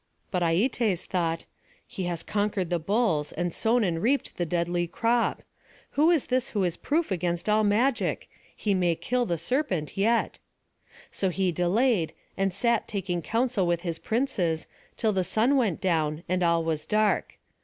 But Aietes thought: "He has conquered the bulls; and sown and reaped the deadly crop. Who is this who is proof against all magic? He may kill the serpent yet." So he delayed, and sat taking counsel with his princes, till the sun went down and all was dark.